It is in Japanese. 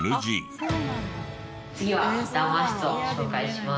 次は談話室を紹介します。